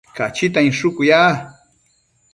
Cachita inshucu ya